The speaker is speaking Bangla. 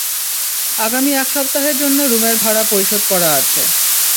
আগামী এক সপ্তাহের জন্য রুমের ভাড়া পরিশোধ করা আছে।